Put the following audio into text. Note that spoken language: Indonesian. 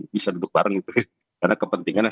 bisa duduk bareng karena kepentingannya